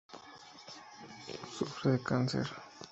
Sufre de cáncer.